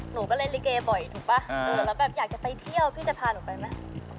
หนูก็เล่นลิเกบ่อยถูกป่ะแล้วแบบอยากจะไปเที่ยวพี่จะพาหนูไปไหม